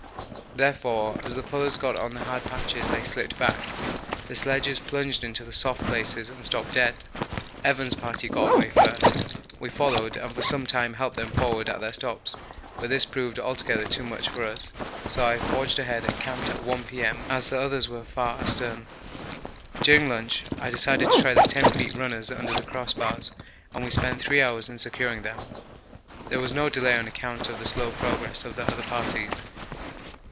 Therefore, as the pullers got on the hard patches they slipped back. The sledges plunged into the soft places and stopped dead. Evans' party got away first; we followed, and for some time helped them forward at their stops, but this proved altogether too much for us, so I forged ahead and camped at 1 P.M., as the others were far astern. During lunch I decided to try the 10 feet runners under the crossbars and we spent three hours in securing them. There was no delay on account of the slow progress of the other parties.